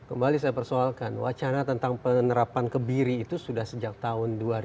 kembali saya persoalkan wacana tentang penerapan kebiri itu sudah sejak tahun dua ribu